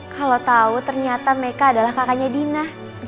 kalau tau ternyata meka adalah kakaknya dina